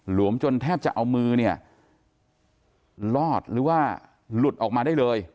วมจนแทบจะเอามือเนี่ยลอดหรือว่าหลุดออกมาได้เลย